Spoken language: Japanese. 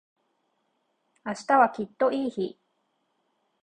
明日はきっといい日